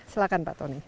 silahkan pak tony